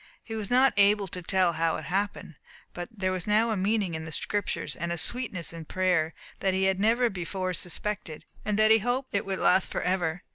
He was not able to tell how it happened, but there was now a meaning in the Scriptures, and a sweetness in prayer, that he had never before suspected, and that he hoped it would last for ever.